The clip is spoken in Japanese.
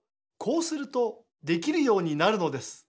こうするとできるようになるのです。